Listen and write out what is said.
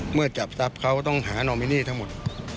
จับทรัพย์เขาต้องหานอมินีทั้งหมด